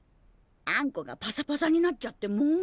あんこがパサパサになっちゃってもう。